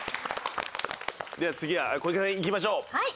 では次は小池さんいきましょう。